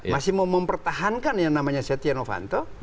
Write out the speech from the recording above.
masih mau mempertahankan yang namanya setia novanto